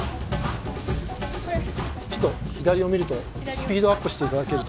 ちょっと左を見るとスピードアップして頂けると。